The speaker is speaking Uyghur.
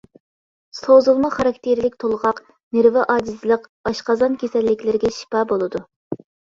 سوزۇلما خاراكتېرلىك تولغاق، نېرۋا ئاجىزلىق، ئاشقازان كېسەللىكلىرىگە شىپا بولىدۇ.